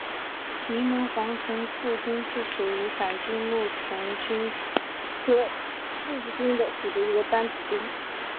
柠檬黄层腹菌是属于伞菌目层腹菌科层腹菌属的一种担子菌。